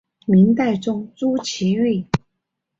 明代宗朱祁钰。